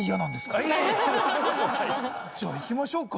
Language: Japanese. じゃあいきましょうか。